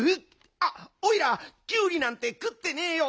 あっおいらキュウリなんてくってねえよ。